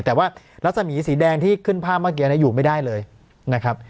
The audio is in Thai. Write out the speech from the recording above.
แต่ว่ารัศมีสีแดงที่ขึ้นภาพเมื่อกี้อยู่ไม่ได้เลยนะครับ